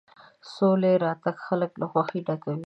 د سولې راتګ خلک له خوښۍ ډکوي.